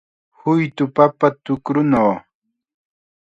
Huytu papa tukrunaw